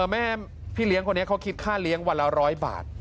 แม่พี่เลี้ยงคนนี้เขาคิดค่าเลี้ยงวันละ๑๐๐บาท